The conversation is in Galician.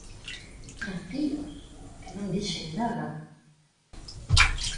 ¡Tranquilos, que non dixen nada!